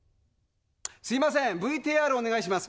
すいませんＶＴＲお願いします。